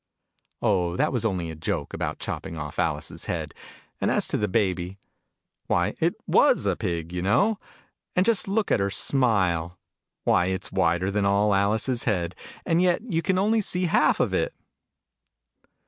" Oh, that was only a joke, about chopping off Alice's head : and as to the Baby why, it was a Pig, you know ! And just look at her smile ! Why, it's wider than all Alice's head : and yet you can only see half of it